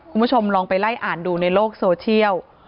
คุณผู้ชมลองไปไล่อ่านดูในโลกโซเชียล